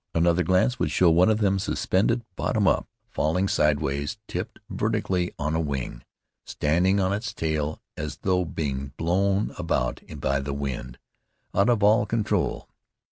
Another glance would show one of them suspended bottom up, falling sidewise, tipped vertically on a wing, standing on its tail, as though being blown about by the wind, out of all control.